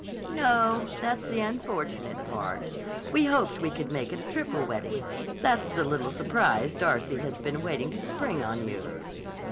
"No. That's the unfortunate part. We hoped we could make it a triple wedding. That's the little surprise Darcy has been waiting to spring on you."